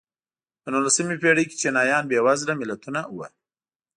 په نولسمې پېړۍ کې چینایان بېوزله ملتونه وو.